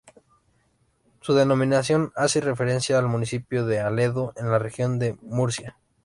Su denominación hace referencia al municipio de Aledo, en la región de Murcia.